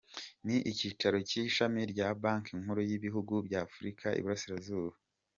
Ni ikicyaro cy’ ishami rya banki nkuru y’ ibihugu by’ Afurika y’ iburasirazuba.